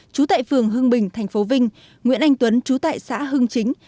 chú tại phường hưng bình thành phố vinh nguyễn anh tuấn chú tại xã hưng chính